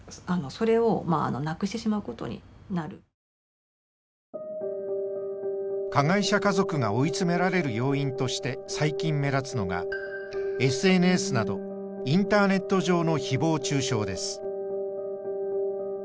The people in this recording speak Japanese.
そう考えた時に加害者家族が追い詰められる要因として最近目立つのがＳＮＳなどインターネット上のひぼう中傷です。